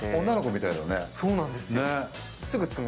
女の子みたいだね。